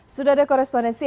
sudah ada korespondensi